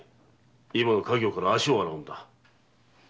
今の稼業から足を洗うんだ。